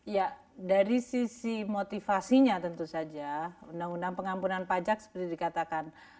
ya dari sisi motivasinya tentu saja undang undang pengampunan pajak seperti dikatakan